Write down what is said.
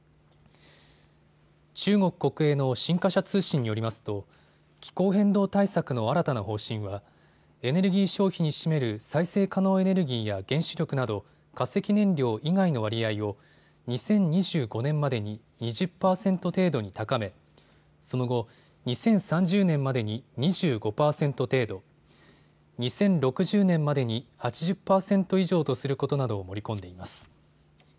中国国営の新華社通信によりますと気候変動対策の新たな方針はエネルギー消費に占める再生可能エネルギーや原子力など化石燃料以外の割合を２０２５年までに２０％程度に高めその後、２０３０年までに２５％程度、２０６０年までに８０％以上とすることなどを盛り込んでいます。